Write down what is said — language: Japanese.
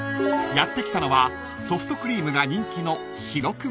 ［やって来たのはソフトクリームが人気の］